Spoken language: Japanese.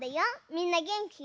みんなげんき？